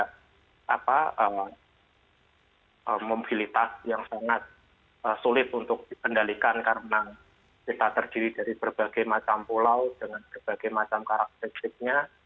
karena mobilitas yang sangat sulit untuk dikendalikan karena kita terdiri dari berbagai macam pulau dengan berbagai macam karakteristiknya